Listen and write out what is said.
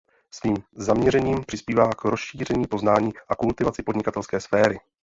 Svým zaměřením přispívá k rozšíření poznání a kultivaci podnikatelské sféry.